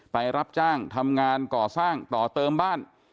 รับจ้างทำงานก่อสร้างต่อเติมบ้าน